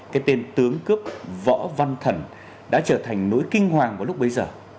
cái tên tướng cướp võ văn thần đã trở thành nỗi kinh hoàng vào lúc bấy giờ